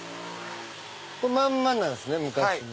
これまんまなんですね昔の。